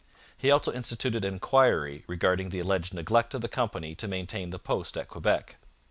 He also instituted an inquiry regarding the alleged neglect of the company to maintain the post at Quebec.